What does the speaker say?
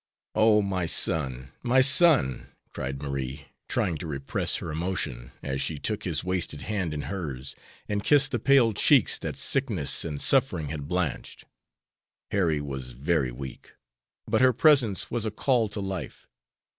"Oh, my son, my son!" cried Marie, trying to repress her emotion, as she took his wasted hand in hers, and kissed the pale cheeks that sickness and suffering had blanched. Harry was very weak, but her presence was a call to life.